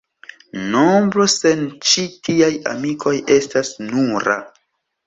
Nombro sen ĉi tiaj amikoj estas nura.